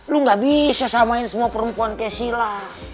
lu gak bisa samain semua perempuan kayak sheila